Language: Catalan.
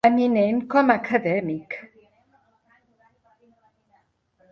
Eminent com a acadèmic.